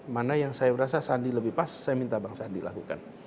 mana yang saya merasa sandi lebih pas saya minta bang sandi lakukan